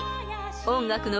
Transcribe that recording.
［音楽の］